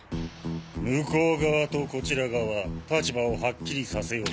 向こう側とこちら側立場をはっきりさせようか。